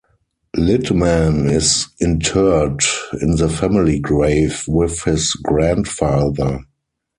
Lidman is interred in the family grave with his grandfather.